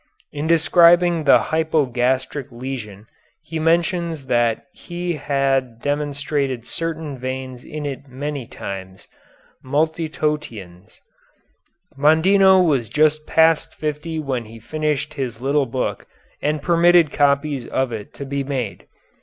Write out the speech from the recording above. In describing the hypogastric lesion he mentions that he had demonstrated certain veins in it many times, multitotiens. Mondino was just past fifty when he finished his little book and permitted copies of it to be made.